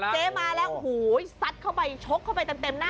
เจ๊มาแล้วโอ้โหซัดเข้าไปชกเข้าไปเต็มหน้า